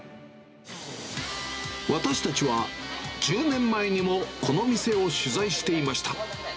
私たちは、１０年前にもこの店を取材していました。